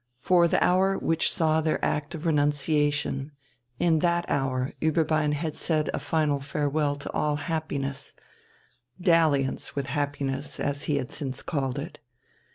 For the hour which saw their act of renunciation, in that hour Ueberbein had said a final farewell to all happiness "dalliance with happiness," as he had since called it.